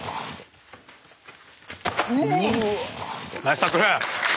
ナイスタックル！